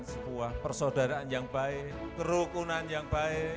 sebuah persaudaraan yang baik kerukunan yang baik